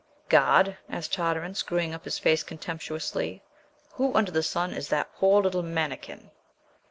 "Guard," asked Tartarin, screwing up his face contemptuously, "who under the sun is that poor little mannikin?"